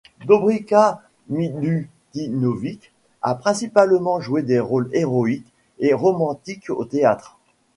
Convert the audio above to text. Dobrica Milutinović a principalement joué des rôles héroïques et romantiques au théâtre.